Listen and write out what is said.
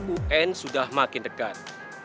un sudah makin dekat